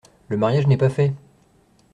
Le mariage n’est pas fait !